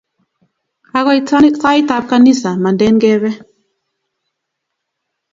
Kagoit sait ap ganisa, manden kebe.